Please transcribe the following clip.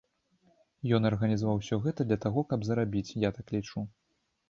Ён арганізаваў усё гэта для таго, каб зарабіць, я так лічу.